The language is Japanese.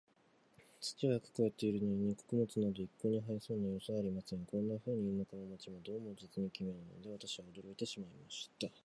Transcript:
土はよく肥えているのに、穀物など一向に生えそうな様子はありません。こんなふうに、田舎も街も、どうも実に奇妙なので、私は驚いてしまいました。